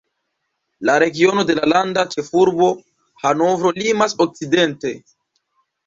La regiono de la landa ĉefurbo Hanovro limas okcidente.